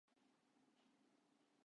二階建て